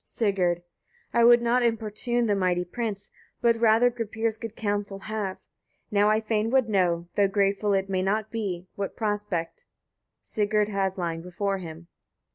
Sigurd. 26. I would not importune the mighty prince, but rather Gripir's good counsel have. Now I fain would know, though grateful it may not be, what prospect Sigurd has lying before him.